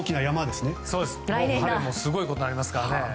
すごいことになりますから。